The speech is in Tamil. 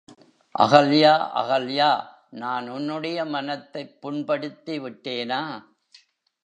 அகல்யா, அகல்யா நான் உன்னுடைய மனத்தைப் புண்படுத்திவிட்டேனா?